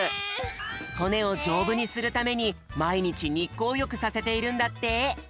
ほねをじょうぶにするためにまいにちにっこうよくさせているんだって。